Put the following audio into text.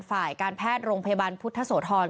ฝ่ายการแพทย์โรงพยาบาลพุทธโสธร